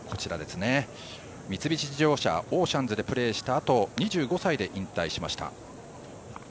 三菱自動車オーシャンズでプレーしたあと２５歳で引退しました。